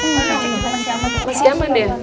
masih aman deh